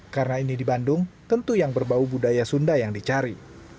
karena ini di bandung tentu yang berbau budaya sunda yang dicari